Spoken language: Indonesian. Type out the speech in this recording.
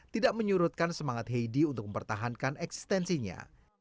tidak menyurutkan semangat heidi untuk mempertahankan eksistensinya